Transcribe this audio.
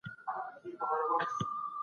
سياستپوهنه د نړيوالو موسساتو څېړنه کوي.